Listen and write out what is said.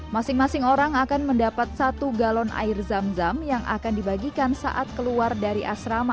masing masing orang akan mendapat satu galon air zam zam yang akan dibagikan saat keluar dari asrama